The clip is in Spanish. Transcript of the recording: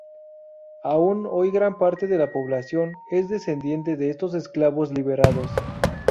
Aún hoy gran parte de la población es descendiente de estos esclavos liberados.